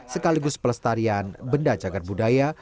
sekaligus pelestarian benda cagar budaya